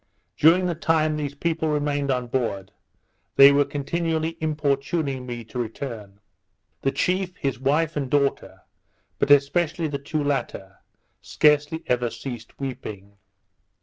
During the time these people remained on board, they were continually importuning me to return. The chief, his wife and daughter, but especially the two latter, scarcely ever ceased weeping.